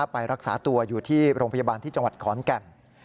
ไปรักษาตัวอยู่ที่โรงพยาบาลที่จังหวัดขอนแก่น